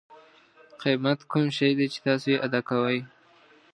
قیمت کوم شی دی چې تاسو یې ادا کوئ.